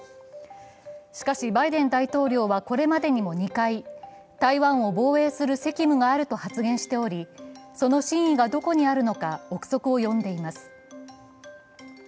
しかし、バイデン大統領はこれまでにも２回、台湾を防衛する責務があると発言しており、発言しており、その真意がどこにあるのか憶測を呼んでいます。